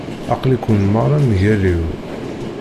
Aql-iken merra mgal-iw.